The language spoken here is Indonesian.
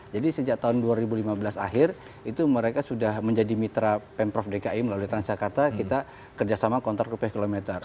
jadi sejak tahun dua ribu lima belas akhir itu mereka sudah menjadi mitra pemprov dki melalui transjakarta kita kerjasama kontrak ke pekilometer